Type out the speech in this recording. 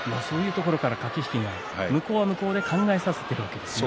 そういうところから駆け引きが向こうは向こうで考えさせているわけですね。